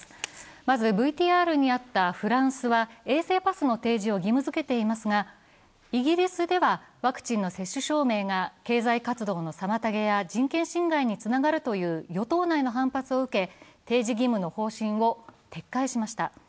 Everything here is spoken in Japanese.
まず、ＶＴＲにあったフランスは衛生パスの提示を義務付けていますが、イギリスではワクチンの接種証明が経済活動の妨げや人権侵害につながるという与党内の反発を受け提示義務の方針を撤回しました。